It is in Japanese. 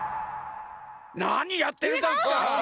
なにやってるざんすか！